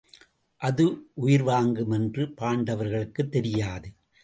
அதுஉயிர் வாங்கும் என்று பாண்டவர்களுக்குத்தெரியாது.